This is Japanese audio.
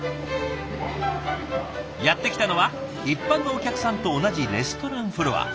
やって来たのは一般のお客さんと同じレストランフロア。